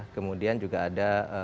kemudian juga ada ee